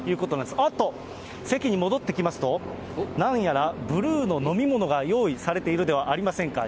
おっと、席に戻ってきますと、何やらブルーの飲み物が用意されているではありませんか。